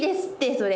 それ。